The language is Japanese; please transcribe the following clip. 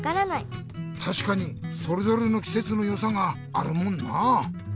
たしかにそれぞれのきせつのよさがあるもんなあ。